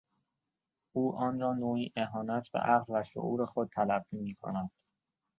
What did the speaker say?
او آن را نوعی اهانت به عقل و شعور خود تلقی میکند.